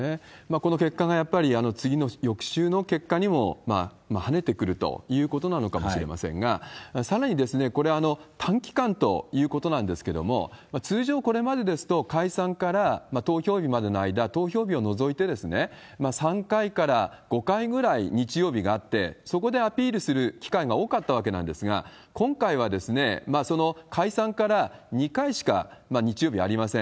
この結果がやっぱり次の翌週の結果にもはねてくるということなのかもしれませんが、さらにこれ、短期間ということなんですけれども、通常、これまでですと解散から投票日までの間、投票日を除いて、３回から５回ぐらい日曜日があって、そこでアピールする機会が多かったわけなんですが、今回は、その解散から２回しか日曜日ありません。